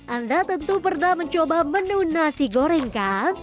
anda tentu pernah mencoba menu nasi goreng kan